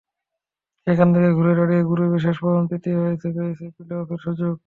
সেখান থেকে ঘুরে দাঁড়িয়ে গ্রুপে শেষ পর্যন্ত তৃতীয় হয়েছে, পেয়েছে প্লে-অফের সুযোগ।